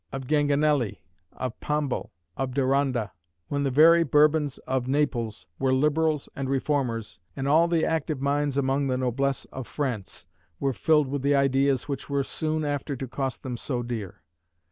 of Ganganelli, of Pombal, of D'Aranda; when the very Bourbons of Naples were liberals and reformers, and all the active minds among the noblesse of France were filled with the ideas which were soon after to cost them so dear.